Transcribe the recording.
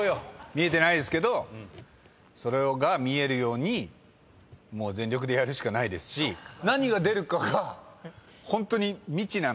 見えてないですけどそれが見えるように全力でやるしかないですし何が出るかはホントに未知なので。